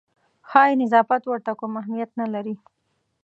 ښایي نظافت ورته کوم اهمیت نه لري.